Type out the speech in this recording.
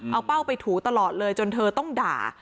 เอาเป้าไปถูตลอดเลยจนเธอต้องด่า